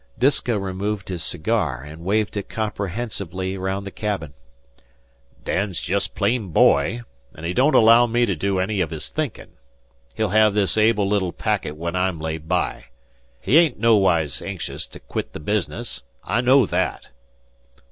Disko removed his cigar and waved it comprehensively round the cabin. "Dan's jest plain boy, an' he don't allow me to do any of his thinkin'. He'll hev this able little packet when I'm laid by. He ain't noways anxious to quit the business. I know that."